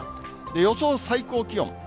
予想最高気温。